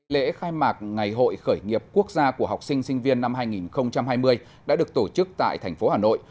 lễ khai mạc ngày hội khởi nghiệp quốc gia của học sinh sinh viên năm hai nghìn hai mươi đã được tổ chức tại thành phố hà nội